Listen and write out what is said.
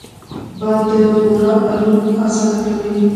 باد د بورا الوت اسانه کوي